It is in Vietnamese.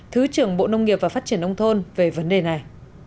thứ trưởng bộ nông nghiệp và phát triển nông thôn về vấn đề này